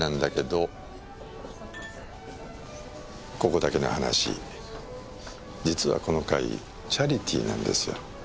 ここだけの話実はこの会チャリティーなんですよ。